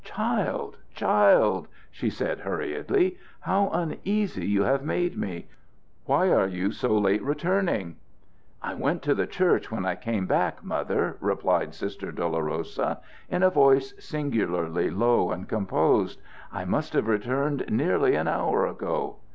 "Child, child," she said, hurriedly, "how uneasy you have made me! Why are you so late returning?" "I went to the church when I came back, Mother," replied Sister Dolorosa, in a voice singularly low and composed. "I must have returned nearly an hour ago."